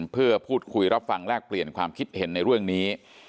เพื่อพูดคุยรับฟังแลกเปลี่ยนความคิดเห็นในเรื่องนี้